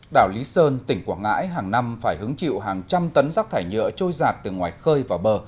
đảo lý sơn tỉnh quảng ngãi hàng năm phải hứng chịu hàng trăm tấn rác thải nhựa trôi giạt từ ngoài khơi vào bờ